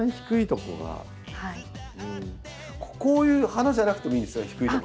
こういう花じゃなくてもいいんですよね低い所。